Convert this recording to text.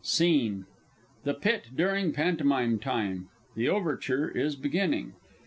SCENE _The Pit during Pantomime Time. The Overture is beginning.